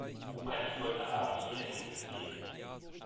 Wo kann ich heute Abend zum Essen hingehen?